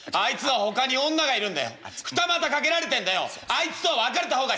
「あいつとは別れた方が」。